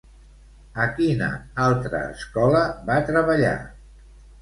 A quina altra escola va treballar?